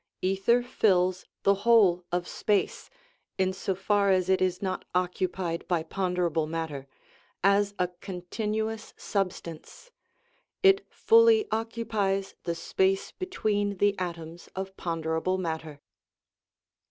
Ether fills the whole of space, in so far as it is not occupied by ponderable matter, as a continuous substance ; it fully occupies the space between the atoms of ponderable matter.